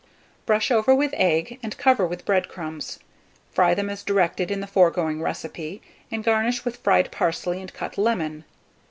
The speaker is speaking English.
Brush over with egg, and cover with bread crumbs; fry them as directed in the foregoing recipe, and garnish with fried parsley and cut lemon.